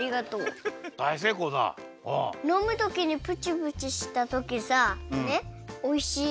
のむときにプチプチしたときさねっおいしい。